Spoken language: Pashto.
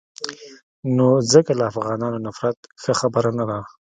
نو ځکه له افغانانو نفرت ښه خبره نه ده.